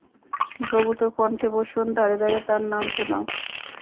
প্রভু তোর কণ্ঠে বসুন, দ্বারে দ্বারে তাঁর নাম শুনাও।